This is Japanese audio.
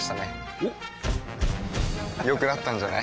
おっ良くなったんじゃない？